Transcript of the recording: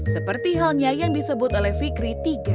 seperti halnya yang disebut oleh fikri tiga